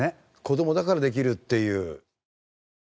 子どもだからできるっていう。